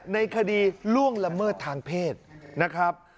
ในคดีล่วงละเมิดทางเพศนะครับ